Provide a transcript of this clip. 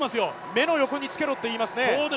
目の横につけろといいますね。